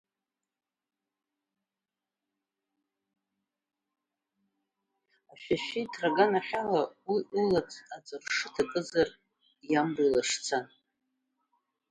Ашәашәиҭра аганахь ала ула аҵәыршы ҭакызар иамбо илашьцан.